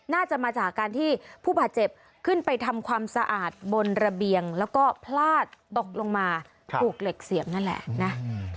น่าจะมาจากการที่ผู้บาดเจ็บขึ้นไปทำความสะอาดบนระเบียงแล้วก็พลาดตกลงมาถูกเหล็กเสียบนั่นแหละนะ